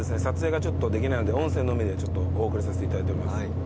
撮影がちょっとできないので音声のみでちょっとお送りさせていただいております。